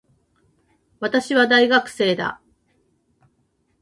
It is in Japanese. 私は、大学生だ。